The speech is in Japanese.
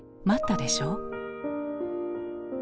待ったでしょ？」。